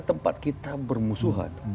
tempat kita bermusuhan